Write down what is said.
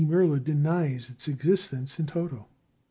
Müller denies its existence in toto.